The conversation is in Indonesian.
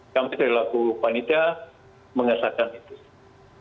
yang berlaku panitia mengesahkan itu